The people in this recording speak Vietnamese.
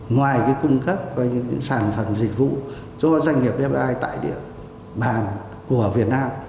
và cái cung cấp của những sản phẩm dịch vụ cho doanh nghiệp fdi tại địa bàn của việt nam